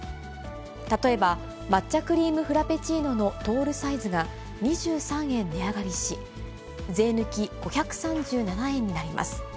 例えば、抹茶クリームフラペチーノのトールサイズが２３円値上がりし、税抜き５３７円になります。